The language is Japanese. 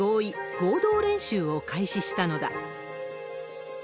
合同練習を開始したのだ。